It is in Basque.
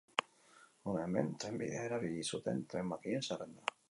Hona hemen trenbidea erabili zuten tren-makinen zerrenda.